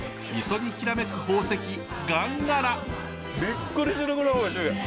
びっくりするぐらいおいしい！